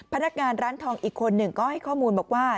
พนักงานร้านทองอีกคนหนึ่งก็ให้ข้อมูลบอกว่า